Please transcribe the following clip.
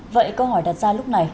vậy câu hỏi đặt ra lúc này